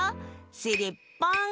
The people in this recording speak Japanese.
しりっぽん！